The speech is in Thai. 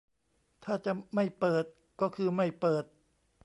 ถ้าจะไม่เปิด ก็คือไม่เปิด